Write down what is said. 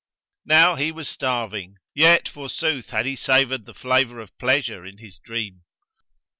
Now he was starving, yet forsooth had he savoured the flavour of pleasure in his dream.